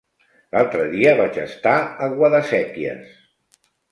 L'altre dia vaig estar a Guadasséquies.